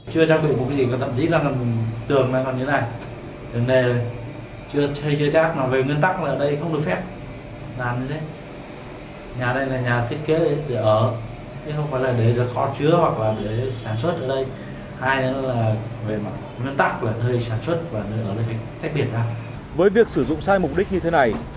chưa chắc được một cái gì có tậm chí là tường này hoặc như thế này